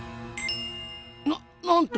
ななんと！